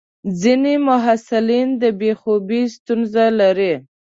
ځینې محصلین د بې خوبي ستونزه لري.